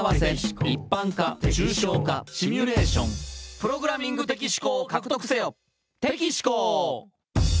「プログラミング的思考を獲得せよ」